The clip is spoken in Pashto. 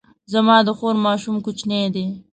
زما د خور ماشوم کوچنی دی